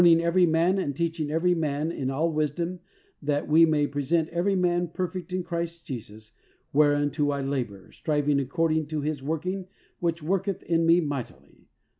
33 ing every man and teaching every man in all wisdom that we may present every man perfect in Christ Jesus, whereunto I labor, striving according to his working which worketh in me mightily."